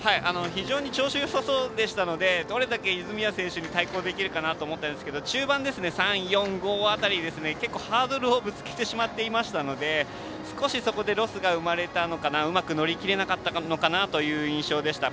非常に調子がよさそうでしたのでどれだけ泉谷選手に対抗できるかなと思ったんですが中盤、３、４、５辺りで結構、ハードルをぶつけてしまっていましたので少しそこでロスが生まれたのかなうまく乗り切れなかったのかなと印象でした。